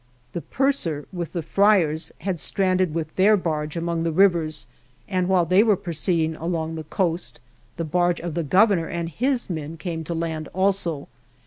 83 THE JOURNEY OF The purser, with the friars, had stranded with their barge among the rivers, and, while they were proceeding along the coast, the barge of the Governor and his men came to land also.